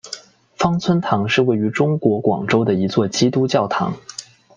芳村堂是位于中国广州的一座基督教堂。